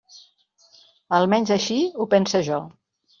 Almenys així ho pense jo.